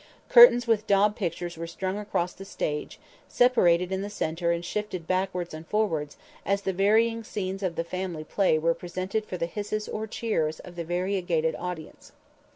Curtains with daub pictures were strung across the stage, separated in the center and shifted backward and forward, as the varying scenes of the family play were presented for the hisses or cheers of the variegated audience.